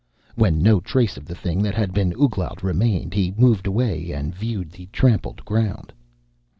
When no trace of the thing that had been Ouglat remained, he moved away and viewed the trampled ground.